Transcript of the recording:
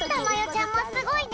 ちゃんもすごいね！